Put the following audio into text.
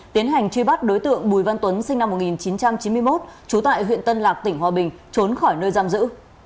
tiến hành truy bắt đối tượng bùi văn tuấn sinh năm một nghìn chín trăm chín mươi một trú tại huyện tân lạc tỉnh hòa bình trốn khỏi nơi giam giữ